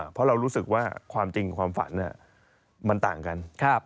เพราะเรารู้สึกว่าความจริงความฝันมันต่างกัน